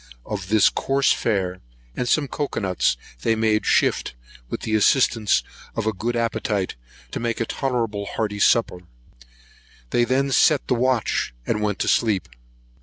Of this coarse fare, and some cocoa nuts, they made shift, with the assistance of a good appetite, to make a tolerable hearty supper; they then set the watch, and went to sleep.